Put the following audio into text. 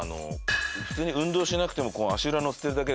普通に運動しなくても。